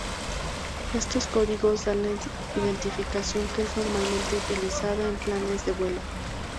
Estos códigos dan la identificación que es normalmente utilizada en planes de vuelo.